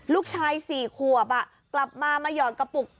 ลูกชาย๔ขวบกลับมามาหยอดกระปุก